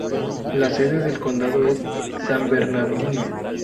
La sede del condado es San Bernardino.